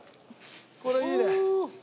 これいいね。